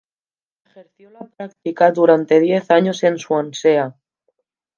Ejerció la práctica durante diez años en Swansea.